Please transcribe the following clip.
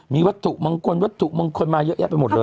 มีวัตถุมงคลวัตถุมงคลมาเยอะแยะไปหมดเลย